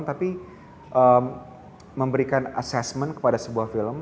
tapi memberikan assessment kepada sebuah film